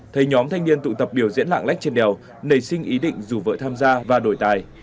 thấy nhóm thanh niên tụ tập biểu diễn lạng lách trên đèo nảy sinh ý định rủ vợ tham gia và đổi tài